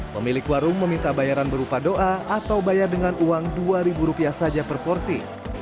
pemilik warung meminta bayaran berupa doa atau bayar dengan uang dua ribu rupiah saja per porsi